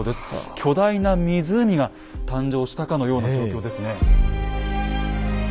巨大な湖が誕生したかのような状況ですね。